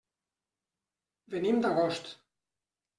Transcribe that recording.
Venim d'Agost.